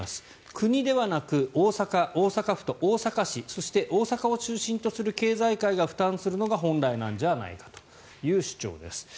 国ではなく、大阪府と大阪市そして大阪を中心とする経済界が負担するのが本来なんじゃないかという主張です。